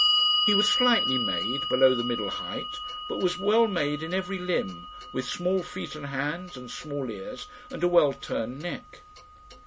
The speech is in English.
He was slightly made, below the middle height, but was well made in every limb, with small feet and hands, and small ears, and a well turned neck.